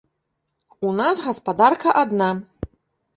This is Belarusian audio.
У нас гаспадарка адна.